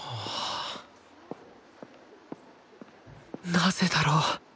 なぜだろう。